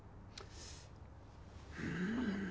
うん。